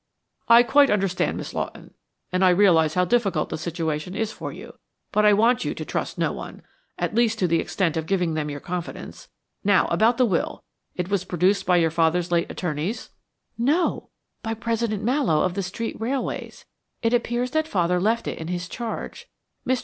"I quite understand, Miss Lawton, and I realize how difficult the situation is for you, but I want you to trust no one at least, to the extent of giving them your confidence. Now about the will; it was produced by your late father's attorneys?" "No, by President Mallowe, of the Street Railways. It appears that Father left it in his charge. Mr.